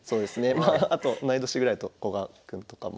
まああと同い年ぐらいだと古賀君とかも。